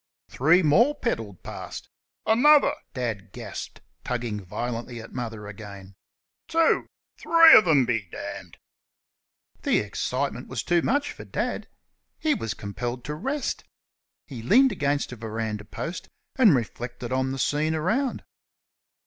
Three more pedalled past. "Another!" Dad gasped, tugging violently at Mother again "two three of 'em, be d d!" The excitement was too much for Dad. He was compelled to rest. He leaned against a verandah post and reflected on the scene around.